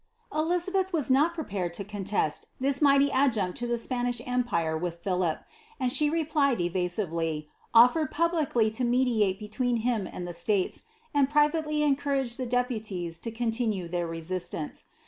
Elizabeth was not prepared to contest this mighty adjunct to the Spanish empire with Philip, and she replied evasively, oflered publicly to mediate between him and the states, and privately encouraged the deputies to continue their resistance.